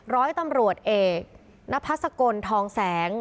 ร้อยตำรวจเอกนพัศกลทองแสง